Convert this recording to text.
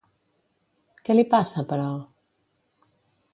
Què li passa, però?